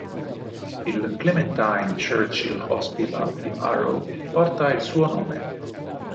Il Clementine Churchill Hospital di Harrow porta il suo nome.